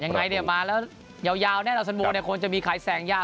ยังไงมาแล้วยาวนี่ดาวสันวงศ์คงจะมีขายแสงยาก